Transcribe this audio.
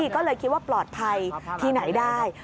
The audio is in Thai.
ก็เลยคิดว่าปลอดภัยที่ไหนได้